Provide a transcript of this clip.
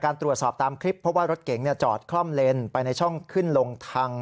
ตรวจสอบตามคลิปเพราะว่ารถเก๋งจอดคล่อมเลนไปในช่องขึ้นลงทาง